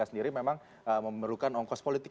sendiri memang memerlukan ongkos politik